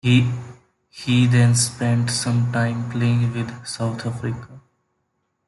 He then spent some time playing in South Africa.